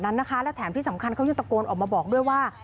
นั้นนะคะและแถมที่สำคัญเขายังตะโกนออกมาบอกด้วยว่า